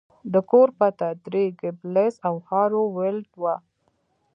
د کور پته درې ګیبلز او هارو ویلډ وه